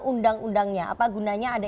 undang undangnya apa gunanya ada